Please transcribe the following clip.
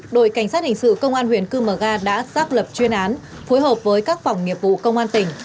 đội cảnh sát hình sự công an huyện cư mờ ga đã xác lập chuyên án phối hợp với các phòng nghiệp vụ công an tỉnh